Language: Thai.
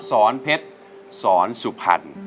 สอนเพชรสอนสุพรรณ